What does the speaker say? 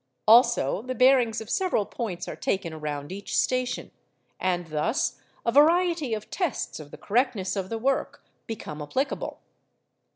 Also the bearings of several points are taken around each station; and thus a variety of tests of the correctness of the work become applicable.